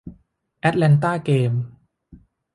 แอตแลนต้าเกมส์